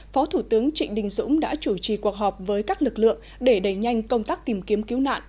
phó thủ tướng trịnh đình dũng đã chủ trì cuộc họp với các lực lượng để đẩy nhanh công tác tìm kiếm cứu nạn